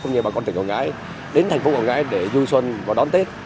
cũng như bà con tỉnh cầu ngãi đến thành phố cầu ngãi để vui xuân và đón tết